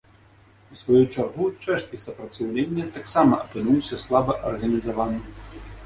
У сваю чаргу, чэшскі супраціўленне таксама апынуўся слаба арганізаваным.